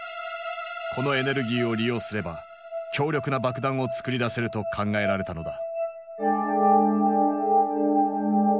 このエネルギーを利用すれば強力な爆弾をつくり出せると考えられたのだ。